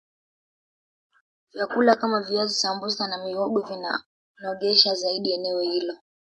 vyakula Kama viazi sambusa na mihogo vinanogesha zaidi eneo hilo